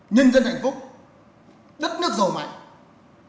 nhân dân hạnh phúc đất nước rổ mạnh